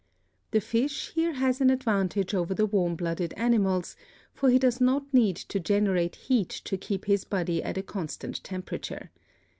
The fish here has an advantage over the warm blooded animals, for he does not need to generate heat to keep his body at a constant temperature.